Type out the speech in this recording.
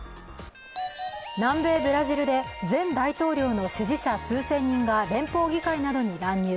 南米ブラジルで前大統領の支持者数千人が連邦議会などに乱入。